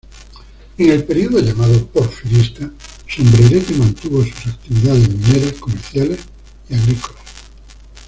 En el periodo llamado porfirista Sombrerete mantuvo sus actividades mineras, comerciales y agrícolas.